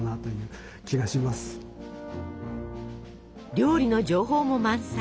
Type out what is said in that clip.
料理の情報も満載。